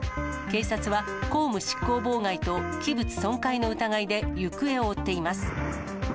警察は公務執行妨害と器物損壊の疑いで行方を追っています。